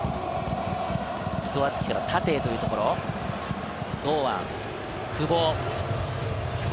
伊藤敦樹から縦へというところ、堂安、久保。